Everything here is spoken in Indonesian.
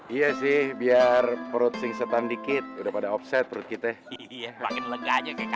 iya sih biar perut singsetan dikit udah pada offset perut kita iya makin lega aja kayak gitu ya